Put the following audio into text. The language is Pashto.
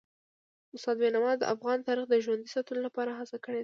استاد بینوا د افغان تاریخ د ژوندي ساتلو لپاره هڅه کړي ده.